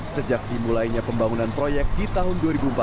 sejak dimulainya pembangunan proyek di tahun dua ribu empat belas